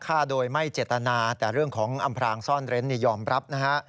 ฆ่าโดยไม่เจตนาแต่เรื่องของอำพรางซ่อนเร้นยอมรับนะฮะ